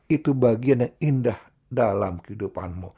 itu bagian yang indah dalam kehidupanmu